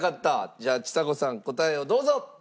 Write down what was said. じゃあちさ子さん答えをどうぞ。